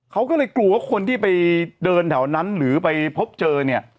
เขาก็เลยกลัวว่าคนที่ไปเดินแถวนั้นหรือไปพบเจอเนี่ย